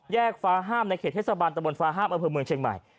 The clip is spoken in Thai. แยกฟ้าห้ามในเขตเทศบาลตระบวนฟ้าห้ามอเมืองเชียงใหม่